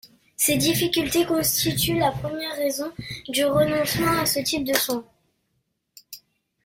Ces difficultés constituent la première raison du renoncement à ce type de soins.